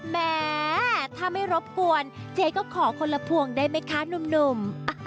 แม้ถ้าไม่รบกวนเจ๊ก็ขอคนละพวงได้ไหมคะหนุ่ม